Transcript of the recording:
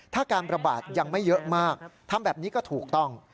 ถ้าการประบาดยังไม่เยอะมากทำแบบนี้ก็ถูกต้อง